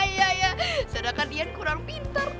iya iya sedangkan dian kurang pinter